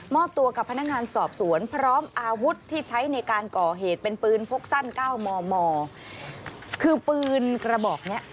ตัวกับพนักงานสอบสวนพร้อมอาวุธที่ใช้ในการก่อเหตุเป็นปืนพกสั้นเก้ามอมอคือปืนกระบอกเนี้ย